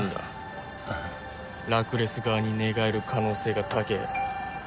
ラクレス側に寝返る可能性が高え。